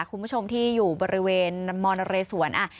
คุณผู้ชมที่อยู่บริเวณมณเรสวน